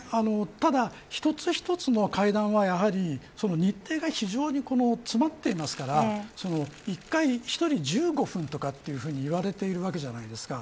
ただ、１つ１つの会談は日程が非常に詰まっていますから１回、１人１５分とかいわれているわけじゃないですか。